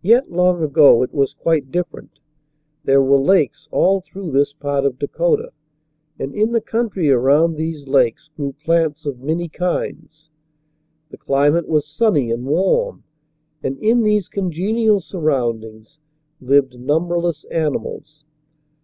Yet, long ago, it was quite different. There were lakes all through this part of Dakota, and in the country around these lakes grew plants of many kinds. The climate was sunny and warm, and in these congenial surroundings lived numberless animals.